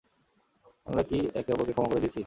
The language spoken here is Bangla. আমরা কি একে অপরকে ক্ষমা করে দিয়েছি?